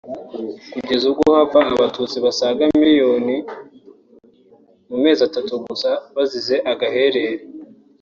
kugeza ubwo hapfa Abatutsi basaga miliyoni mu mezi atatu gusa bazize agaherere